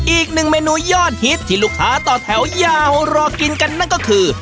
อีกหนึ่งเมนูยอดฮิตที่ลูกค้าต่อแถวยาวรอกินกันนั่นก็คือ